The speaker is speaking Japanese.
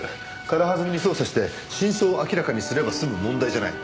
軽はずみに捜査して真相を明らかにすれば済む問題じゃない。